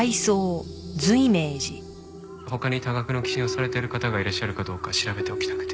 他に多額の寄進をされてる方がいらっしゃるかどうか調べておきたくて。